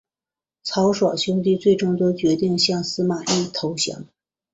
曹爽兄弟最终都决定向司马懿投降。